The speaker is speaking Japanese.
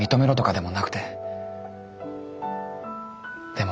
でも。